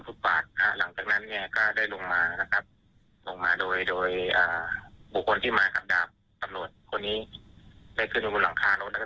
จากการสอบถามอ่าดาบตำรวจอดีศรแล้วก็เกิดเกิดความโอโหค่ะ